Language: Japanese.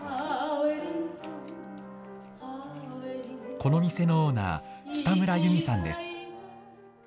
この店のオーナー、北村ゆみさんです。